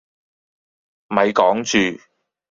咪講住